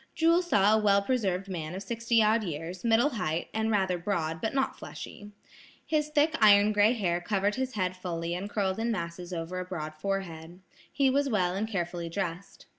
Jewel saw a well preserved man of sixty odd years, middle height, and rather broad, but not fleshy. His thick iron gray hair covered his head fully and curled in masses over a broad forehead. He was well and carefully dressed.